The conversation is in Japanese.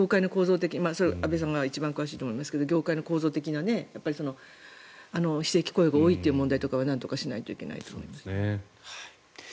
安部さんが一番詳しいと思いますが業界の構造的な非正規雇用が多いという問題とかはなんとかしないといけないと思います。